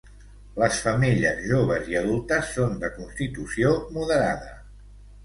Les femelles joves i adultes són de constitució moderada.